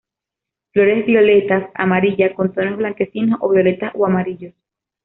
Flores violetas, amarillas, con tonos blanquecinos o violetas o amarillos.